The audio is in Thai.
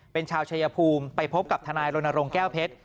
เป็นชาวชายภูมิไปพบกับทนายรณรงค์แก้วเพชร